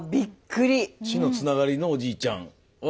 血のつながりのおじいちゃんは。